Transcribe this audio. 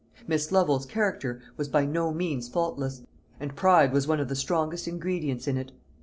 Miss Lovel's character was by no means faultless, and pride was one of the strongest ingredients in it.